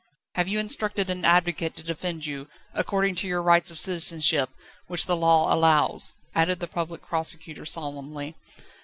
"Have you instructed an advocate to defend you, according to your rights of citizenship, which the Law allows?" added the Public Prosecutor solemnly.